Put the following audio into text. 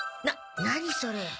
な何それ。